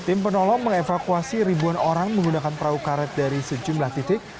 tim penolong mengevakuasi ribuan orang menggunakan perahu karet dari sejumlah titik